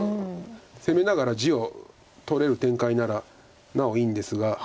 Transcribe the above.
攻めながら地を取れる展開ならなおいいんですが。